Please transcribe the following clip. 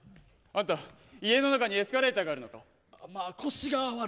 あんた、家の中にエスカレーターがあるのか？